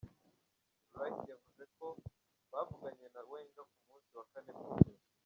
Wright yavuze ko bavuganye na Wenger ku munsi wa kane mw'ijoro.